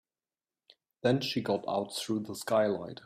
Then she got out through the skylight.